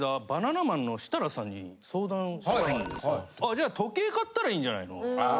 「じゃあ時計買ったらいいんじゃないの」って。